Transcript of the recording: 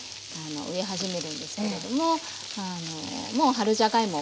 植え始めるんですけれどももう春じゃがいも